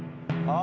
あ！